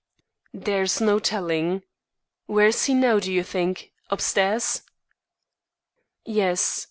"There's no telling. Where is he now, do you think? Upstairs?" "Yes.